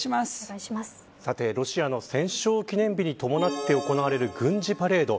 さて、ロシアの戦勝記念日に伴って行われる軍事パレード。